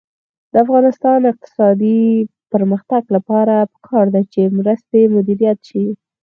د افغانستان د اقتصادي پرمختګ لپاره پکار ده چې مرستې مدیریت شي.